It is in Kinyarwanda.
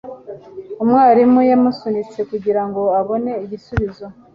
Umwarimu yamusunitse kugirango abone igisubizo.